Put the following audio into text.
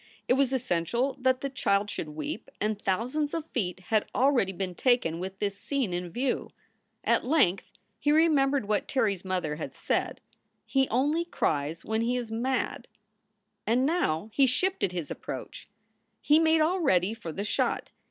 It was essential that the child should weep and thousands of feet had already been taken with this scene in view. At length he remembered what Terry s mother had said, "He only cries when he is mad." And now he shifted his approach. He made all ready for the shot.